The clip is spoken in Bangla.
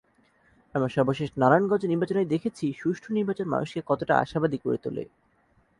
আমরা সর্বশেষ নারায়ণগঞ্জ নির্বাচনেই দেখেছি সুষ্ঠু নির্বাচন মানুষকে কতটা আশাবাদী করে তোলে।